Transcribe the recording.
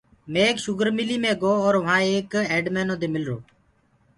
مي ايڪ شُگر ملي مي گو اور وهآنٚ ايڪ ايڊمينو دي مِلرو۔